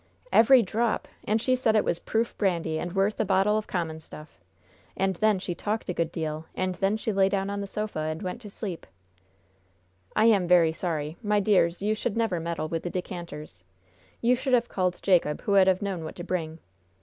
"Every drop! And she said it was proof brandy, and worth a bottle of common stuff! And then she talked a good deal, and then she lay down on the sofa, and went to sleep." "I am very sorry. My dears, you should never meddle with the decanters. You should have called Jacob, who would have known what to bring."